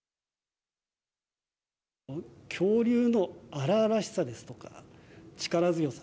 恐竜の荒々しさですとか力強さ